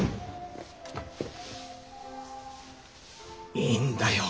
いいんだよ